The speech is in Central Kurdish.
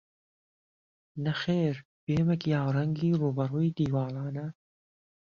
نەخێر بێمە گیاڕەنگی ڕووبەڕووی دیواڵانە